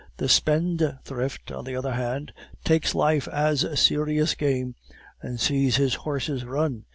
The spendthrift, on the other hand, takes life as a serious game and sees his horses run.